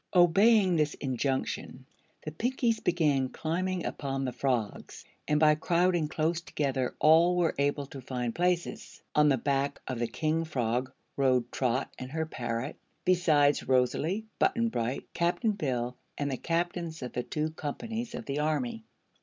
Obeying this injunction, the Pinkies began climbing upon the frogs, and by crowding close together all were able to find places. On the back of the King Frog rode Trot and her parrot, besides Rosalie, Button Bright, Cap'n Bill and the captains of the two companies of the army.